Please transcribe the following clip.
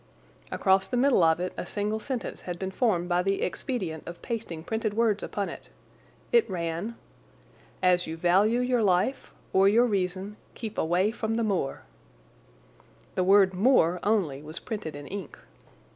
Across the middle of it a single sentence had been formed by the expedient of pasting printed words upon it. It ran: As you value your life or your reason keep away from the moor. The word "moor" only was printed in ink.